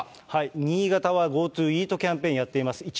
新潟はＧｏＴｏイートキャンペーンをやっています。